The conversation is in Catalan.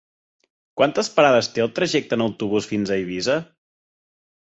Quantes parades té el trajecte en autobús fins a Eivissa?